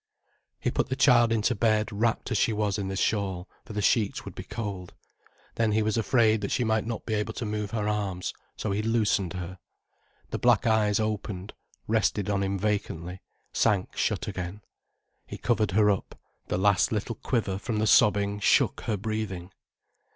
He put the child into bed wrapped as she was in the shawl, for the sheets would be cold. Then he was afraid that she might not be able to move her arms, so he loosened her. The black eyes opened, rested on him vacantly, sank shut again. He covered her up. The last little quiver from the sobbing shook her breathing.